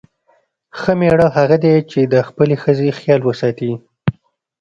ښه میړه هغه دی چې د خپلې ښځې خیال وساتي.